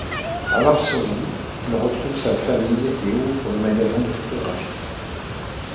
A Varsovie, il retrouve sa famille et ouvre un magasin de photographie.